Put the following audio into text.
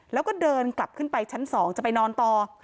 แล้วก็เดินกลับขึ้นไปชั้น๒จะไปนอนต่อ